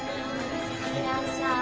いらっしゃい。